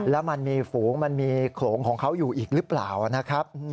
แล้วมันมีฝูงมันมีโขลงของเขาอยู่อีกหรือเปล่านะครับ